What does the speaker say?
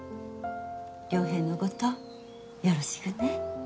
良平のことよろしくね。